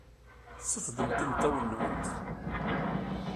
Sefḍemt imeṭṭawen-nwent.